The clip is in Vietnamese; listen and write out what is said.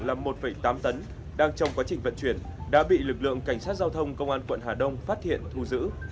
tổng trọng một tám tấn đang trong quá trình vận chuyển đã bị lực lượng cảnh sát giao thông công an quận hà đông phát hiện thu giữ